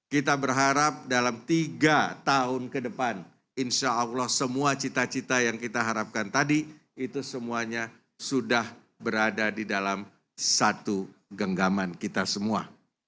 kita berharap dalam tiga tahun ke depan insya allah semua cita cita yang kita harapkan tadi itu semuanya sudah berada di dalam satu genggaman kita semua